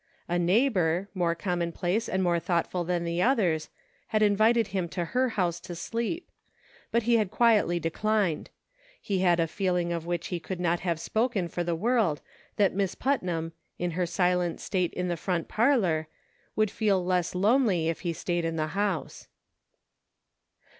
A neighbor, more commonplace and more thoughtful than the others, had invited him to her house to sleep ; but he had quietly declined ; he had a feeling of which he would not have spoken for the world, that Miss Putnam, in her silent state in the front parlor, would feel less lonely if he stayed in the house.